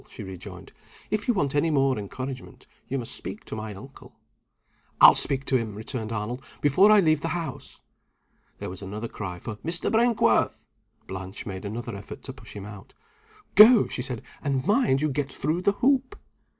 she rejoined. "If you want any more encouragement, you must speak to my uncle." "I'll speak to him," returned Arnold, "before I leave the house." There was another cry for "Mr. Brinkworth." Blanche made another effort to push him out. "Go!" she said. "And mind you get through the hoop!"